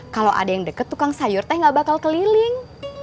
kalau ada yang deket tukang sayur teh gak bakal keliling